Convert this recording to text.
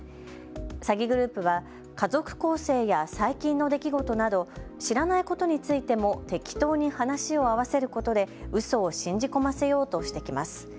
詐欺グループは家族構成や最近の出来事など知らないことについても適当に話を合わせることでうそを信じ込ませようとしてきます。